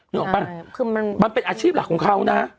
นึกออกป่ะคือมันเป็นอาชีพหลักของเขานะ